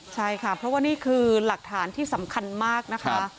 ใช่ค่ะเพราะว่านี่คือหลักฐานที่สำคัญมากนะคะ